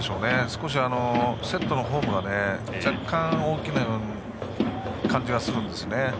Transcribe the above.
少しセットのフォームは若干大きな感じがするんですよね。